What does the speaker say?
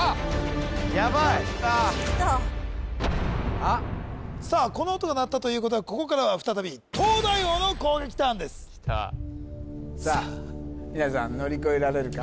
ヤバいさあこの音が鳴ったということはここからは再び東大王の攻撃ターンですさあ皆さん乗り越えられるか？